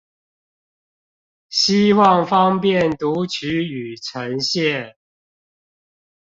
希望方便讀取與呈現